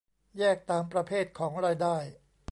แยกตามประเภทของรายได้